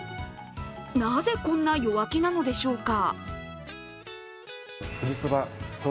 なぜ、こんな弱気なのでしょうか。